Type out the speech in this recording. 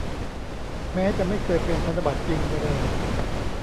แม้จะไม่เคยเป็นธนบัตรจริงเลย